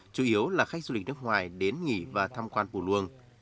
chủ yếu là khách du lịch nước ngoài đến nghỉ và tham quan vù luông